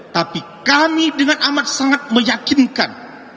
tapi kami dengan amat sangat meyakinkan